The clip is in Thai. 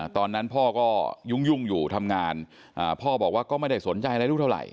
ตอนนั้นพ่อก็ยุ่งอยู่ทำงานพ่อบอกว่าก็ไม่ได้สนใจอะไรลูกเท่าไหร